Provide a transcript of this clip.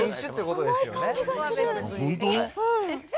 本当？